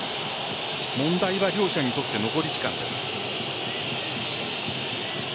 問題は両者にとって残り時間です。